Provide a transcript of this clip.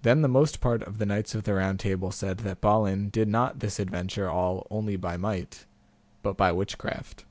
Then the most part of the knights of the Round Table said that Balin did not this adventure all only by might, but by witchcraft.